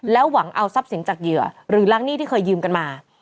หวังเอาทรัพย์สินจากเหยื่อหรือล้างหนี้ที่เคยยืมกันมา